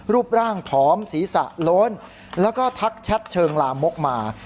รูปร่างผอมศีรษะโล้นแล้วก็ทักแชทเชิงลามกมา